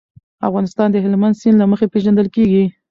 افغانستان د هلمند سیند له مخې پېژندل کېږي.